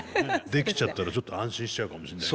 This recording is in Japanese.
できちゃったらちょっと安心しちゃうかもしんない。